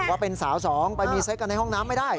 ว่าเป็นสาวสองไปมีเซ็กกันในห้องน้ำไม่ได้